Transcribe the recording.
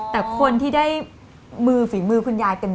แต่คนที่ได้มือฝีมือคุณยายเต็ม